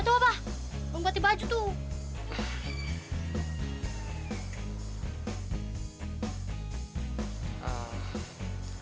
atuh abah belum bati baju tuh